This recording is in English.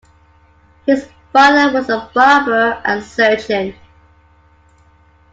His father was a barber and surgeon.